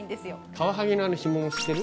カワハギのあの干物知ってる？